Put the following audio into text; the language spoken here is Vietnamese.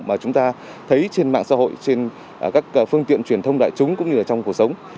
mà chúng ta thấy trên mạng xã hội trên các phương tiện truyền thông đại chúng cũng như là trong cuộc sống